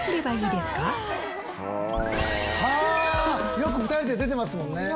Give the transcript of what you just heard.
よく２人で出てますもんね。